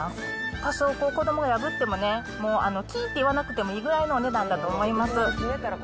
多少、子どもが破ってもね、もう、きぃー！って言わなくていいぐらいのお値段だと思います。